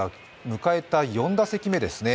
迎えた４打席目ですね。